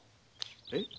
えっ